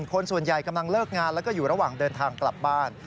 คนส่วนใหญ่กำลังเลิกงานแล้วก็อยู่ระหว่างเดินทางกลับบ้าน